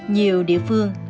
nhiều địa phương